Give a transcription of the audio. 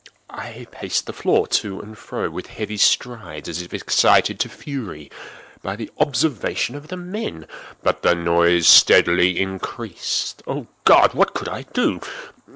I paced the floor to and fro with heavy strides, as if excited to fury by the observations of the men—but the noise steadily increased. Oh God! what could I do?